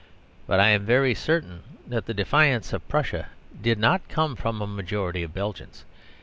But I am very certain that the defiance to Prussia did not come from a majority of Belgians.